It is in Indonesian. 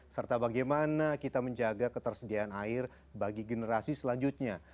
serta bagaimana kita menjaga ketersediaan air bagi generasi selanjutnya